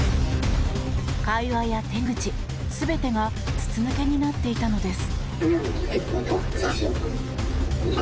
会話や手口、全てが筒抜けになっていたのです。